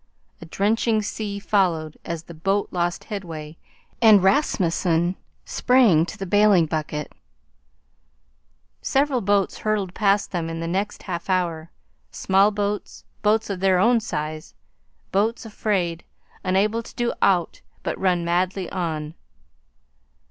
A drenching sea followed, as the boat lost headway, and Rasmunsen sprang to the bailing bucket Several boats hurtled past them in the next half hour, small boats, boats of their own size, boats afraid, unable to do aught but run madly on.